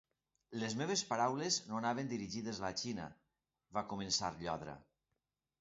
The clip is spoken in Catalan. "Les meves paraules no anaven dirigides a la Xina", va començar Llodra.